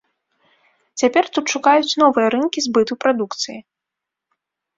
Цяпер тут шукаюць новыя рынкі збыту прадукцыі.